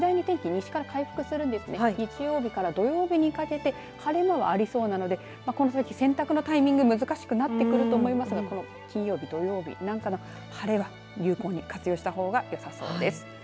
西から回復するんですけど日曜日から土曜日にかけて晴れ間はありそうなのでこの先、洗濯のタイミング難しくなると思うんですが金曜日、土曜日なんかの晴れは有効に活用したほうがよさそうです。